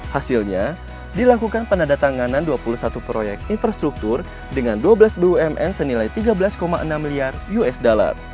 hasilnya dilakukan penandatanganan dua puluh satu proyek infrastruktur dengan dua belas bumn senilai tiga belas enam miliar usd